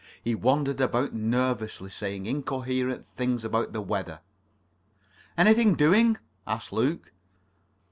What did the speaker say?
He wandered about nervously saying incoherent things about the weather. "Anything doing?" asked Luke.